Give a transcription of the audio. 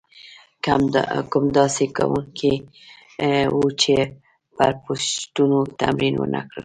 کم داسې زده کوونکي وو چې پر پوښتنو تمرین ونه کړي.